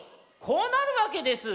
こうなるわけです！